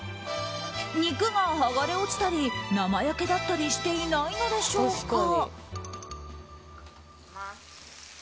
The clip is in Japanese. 肉が剥がれ落ちたり生焼けだったりしていないのでしょうか？